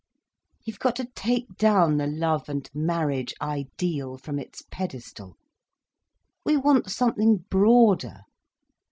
"You've got to take down the love and marriage ideal from its pedestal. We want something broader.